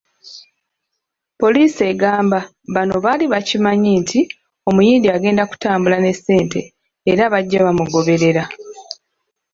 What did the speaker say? Poliisi egamba bano baali bakimanyi nti omuyindi agenda kutambula ne ssente era bajja bamugoberera.